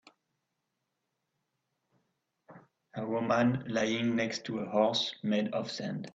A woman lying next to a horse made of sand.